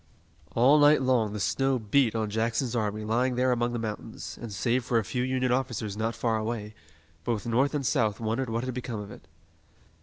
All night long the snow beat on Jackson's army lying there among the mountains, and save for a few Union officers not far away, both North and South wondered what had become of it.